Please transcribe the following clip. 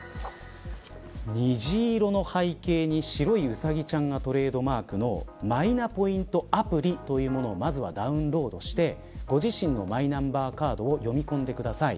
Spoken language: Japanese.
虹色の背景に白いウサギちゃんがトレードマークのマイナポイントアプリをダウンロードしてご自身のマイナンバーカードを読み込んでください。